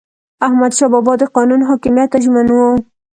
احمدشاه بابا د قانون حاکمیت ته ژمن و.